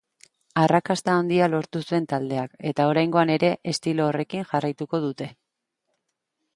Arrakasta handia lortu zuen taldeak, eta oraingoan ere estilo horrekin jarraituko dute.